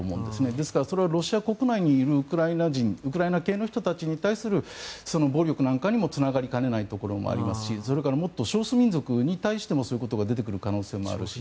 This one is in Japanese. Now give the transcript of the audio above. ですから、それはロシア国内にいるウクライナ人ウクライナ系の人に対する暴力なんかにもつながりかねないところもありますし少数民族に対してもそういうことが出てくる可能性もあるし。